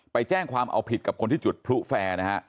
ไปแจ้งความเอาผิดกับคนที่จุดพลุแฟร์นะฮะ